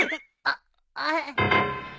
あっああ。